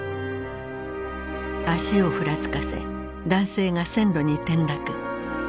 足をふらつかせ男性が線路に転落。